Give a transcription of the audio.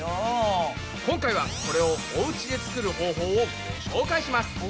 今回はこれをおうちで作る方法をご紹介します！